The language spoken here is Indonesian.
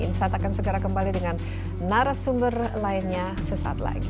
insight akan segera kembali dengan narasumber lainnya sesaat lagi